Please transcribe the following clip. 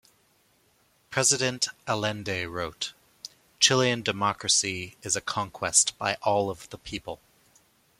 President Allende wrote: Chilean democracy is a conquest by all of the people.